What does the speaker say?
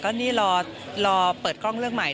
ตอนนี้รอเพิ่มคล่องเรื้องหน้าใหม่